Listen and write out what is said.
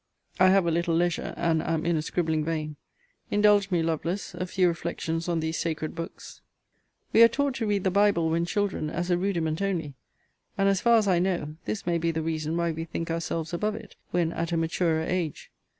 I have a little leisure, and am in a scribbing vein: indulge me, Lovelace, a few reflections on these sacred books. We are taught to read the Bible, when children, as a rudiment only; and, as far as I know, this may be the reason why we think ourselves above it when at a maturer age.